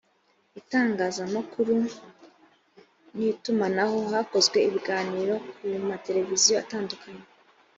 itangazamakuru n itumanaho hakozwe ibiganiro ku ma televiziyo atandukanye